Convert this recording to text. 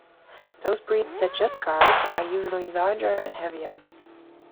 Those breeds that just guard are usually larger and heavier.